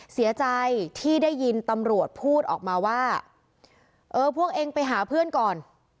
เสียใจที่ได้ยินตำรวจพูดออกมาว่าเออพวกเองไปหาเพื่อนก่อน